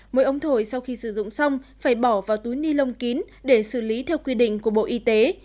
mỗi ống thổi sau khi sử dụng xong phải bỏ vào túi ni lông kín để xử lý theo quy định của bộ y tế